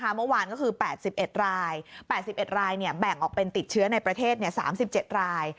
เมื่อวานก็คือ๘๑ราย๘๑รายแบ่งออกเป็นติดเชื้อในประเทศ๓๗ราย